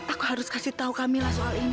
aku harus kasih tahu kamu soal ini